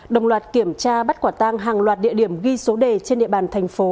đồng loạt kiểm tra bắt quả tang hàng loạt địa điểm ghi số đề trên địa bàn thành phố